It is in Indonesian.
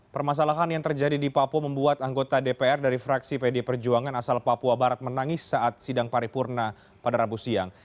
permasalahan yang terjadi di papua membuat anggota dpr dari fraksi pd perjuangan asal papua barat menangis saat sidang paripurna pada rabu siang